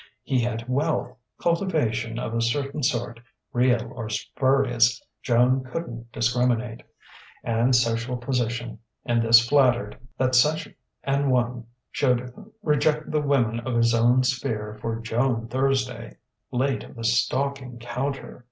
He had wealth, cultivation of a certain sort (real or spurious, Joan couldn't discriminate) and social position; and this flattered, that such an one should reject the women of his own sphere for Joan Thursday late of the stocking counter.